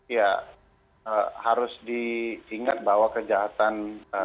ya harus diingat bahwa kejahatan